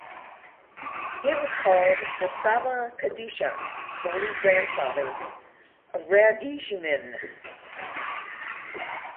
He was called the ""Sabba Kadisha" (Holy Grandfather) of "Radzymin"".